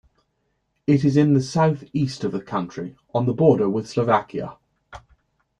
It is in the southeast of the country, on the border with Slovakia.